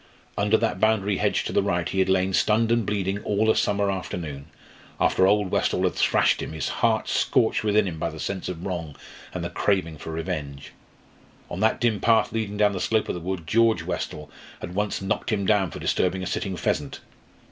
Under that boundary hedge to the right he had lain stunned and bleeding all a summer afternoon, after old Westall had thrashed him, his heart scorched within him by the sense of wrong and the craving for revenge. On that dim path leading down the slope of the wood, George Westall had once knocked him down for disturbing a sitting pheasant.